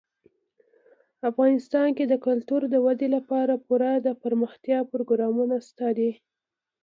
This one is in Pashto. افغانستان کې د کلتور د ودې لپاره پوره دپرمختیا پروګرامونه شته دي.